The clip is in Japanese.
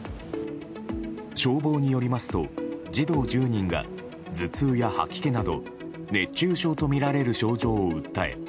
消防によりますと児童１０人が頭痛や吐き気など熱中症とみられる症状を訴え